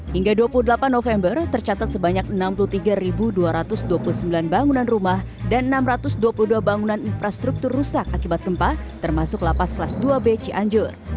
hingga dua puluh delapan november tercatat sebanyak enam puluh tiga dua ratus dua puluh sembilan bangunan rumah dan enam ratus dua puluh dua bangunan infrastruktur rusak akibat gempa termasuk lapas kelas dua b cianjur